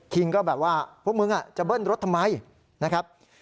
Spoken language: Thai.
ก็แบบว่าพวกมึงจะเบิ้ลรถทำไมนะครับ